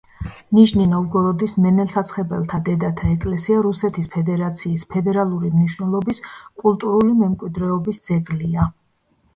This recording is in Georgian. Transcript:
ნიჟნი-ნოვგოროდის მენელსაცხებლე დედათა ეკლესია რუსეთის ფედერაცის ფედერალური მნიშვნელობის კულტურული მემკვიდრეობის ძეგლია.